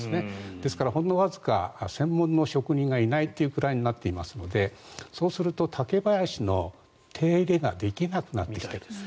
ですから、ほんのわずか専門の職人がいないってくらいになってますのでそうすると竹林の手入れができなくなってくるんです。